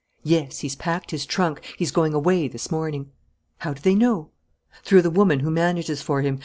"Yes, he's packed his trunk. He's going away this morning." "How do they know?" "Through the woman who manages for him.